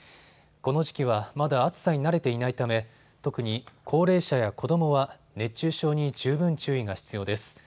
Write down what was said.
この時期はまだ暑さに慣れていないため特に高齢者や子どもは熱中症に十分注意が必要です。